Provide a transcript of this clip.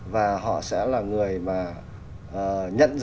và họ sẽ là người mà